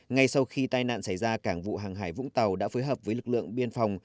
ngay sau khi tai nạn xảy ra cảng vụ hàng hải vũng tàu đã phối hợp với lực lượng biên phòng